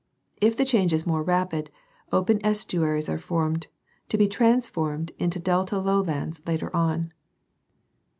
If the change is more rapid, open estuaries are formed, to be trans formed to delta lowlands later on.